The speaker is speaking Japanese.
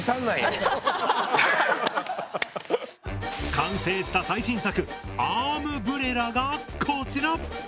完成した最新作「アームブレラ」がこちら！